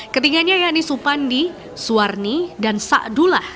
ketingganya yani supandi suwarni dan sa'adullah